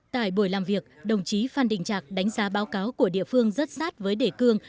tại buổi làm việc đồng chí phan đình trạc đánh giá báo cáo của địa phương rất sát với đề cương